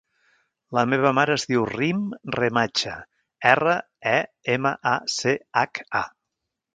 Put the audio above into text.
La meva mare es diu Rim Remacha: erra, e, ema, a, ce, hac, a.